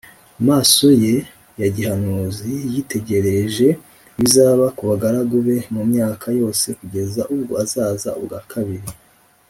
amaso ye ya gihanuzi yitegereje ibizaba ku bagaragu be mu myaka yose kugeza ubwo azaza ubwa kabiri